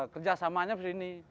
kerjasamanya seperti ini